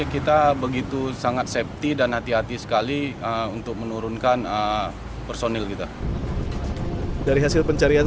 kita begitu sangat safety dan hati hati sekali untuk menurunkan personil kita dari hasil pencarian